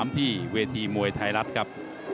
ที่เวทีมวยไทยรัฐครับ